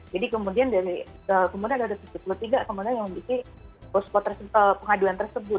jadi kemudian dari kemudian ada tujuh puluh tiga kemudian yang di posko pengaduan tersebut